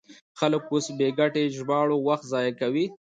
خلک اوس په بې ګټې ژباړو وخت ضایع کوي.